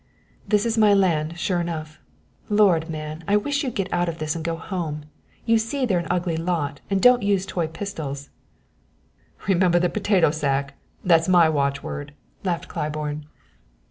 "This is my land, sure enough. Lord, man, I wish you'd get out of this and go home. You see they're an ugly lot and don't use toy pistols." "Remember the potato sack! That's my watchword," laughed Claiborne.